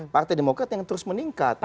partai demokrat yang terus meningkat